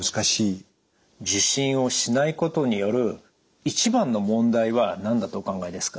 受診をしないことによる一番の問題は何だとお考えですか？